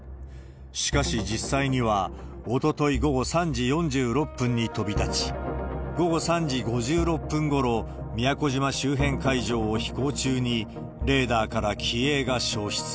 しかし、実際にはおととい午後３時４６分に飛び立ち、午後３時５６分ごろ、宮古島周辺海上を飛行中に、レーダーから機影が消失。